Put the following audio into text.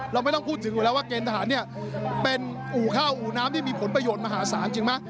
เราไม่ต้องพูดถึงอยู่แล้วว่าเกณฑหารเนี่ยเป็นอู่ข้าวอู่น้ำที่มีผลประโยชน์มหาศาลจริงไหม